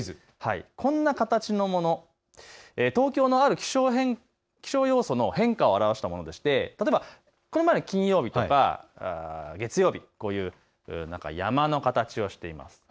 こんな形のもの、東京のある気象要素の変化を表したものでして、例えばこの前の金曜日とか月曜日、こういう山の形をしています。